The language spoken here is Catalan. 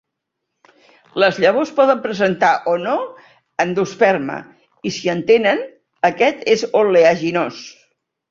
Les llavors poden presentar o no endosperma, i si en tenen, aquest és oleaginós.